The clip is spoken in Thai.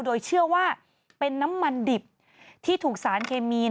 โดยเชื่อว่าเป็นน้ำมันดิบที่ถูกสารเคมี